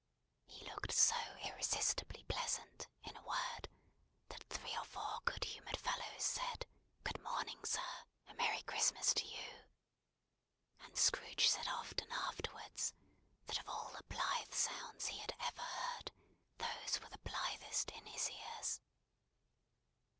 He looked so irresistibly pleasant, in a word, that three or four good humoured fellows said, "Good morning, sir! A merry Christmas to you!" And Scrooge said often afterwards, that of all the blithe sounds he had ever heard, those were the blithest in his ears.